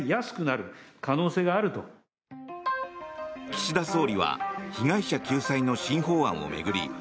岸田総理は被害者救済の新法案を巡り